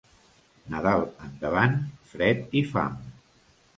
Nadal endavant, fred i fam.